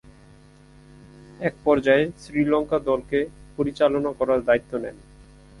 এক পর্যায়ে শ্রীলঙ্কা দলকে পরিচালনা করার দায়িত্ব নেন।